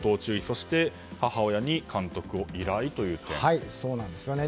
そして母親に監督を依頼ということですね。